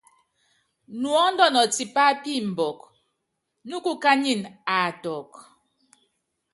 Elúkú tipá pimbukɔ, púkukányinɛ aatukɔ.